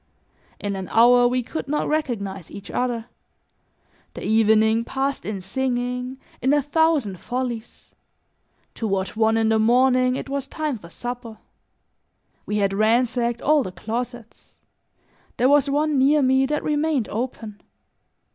In an hour we could not recognize each other. The evening passed in singing, in a thousand follies; toward one in the morning it was time for supper. We had ransacked all the closets; there was one near me that remained open.